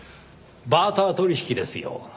バーター取引ですよ。